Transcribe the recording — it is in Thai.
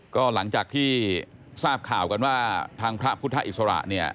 ก็หลังจากที่ทราบข่าวกันว่าทางพระพุทธอิสระเนี่ย